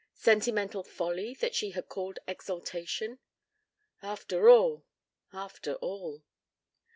... sentimental folly that she had called exaltation? After all! After all!